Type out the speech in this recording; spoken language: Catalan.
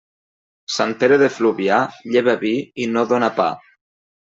Sant Pere de Fluvià lleva vi i no dóna pa.